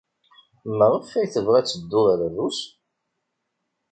Maɣef ay tebɣa ad teddu ɣer Rrus?